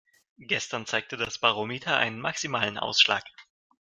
Gestern zeigte das Barometer einen maximalen Ausschlag.